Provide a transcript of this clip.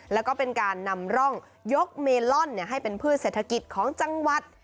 แล้วก็เป็นการนำร่องยกเมลอนให้เป็นพืชเศรษฐกิจของจังหวัด